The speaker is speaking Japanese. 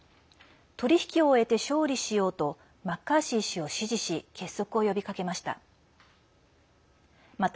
取り引きを終えて勝利しようとマッカーシー氏を支持し結束を呼びかけました。